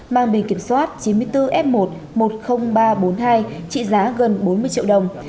mang bình kiểm soát chín mươi bốn f một một mươi nghìn ba trăm bốn mươi hai trị giá gần bốn mươi triệu đồng